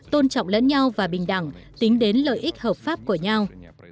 tôn trọng lẫn nhau và bình đẳng tính đến lợi ích hợp pháp của nhau